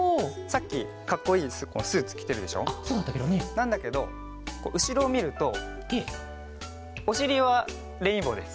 なんだけどうしろをみるとおしりはレインボーです。